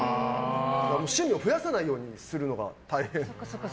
趣味を増やさないようにするのが大変。